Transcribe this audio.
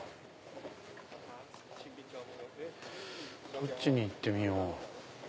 どっちに行ってみよう？